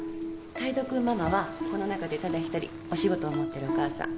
海斗君ママはこの中でただ一人お仕事を持ってるお母さん。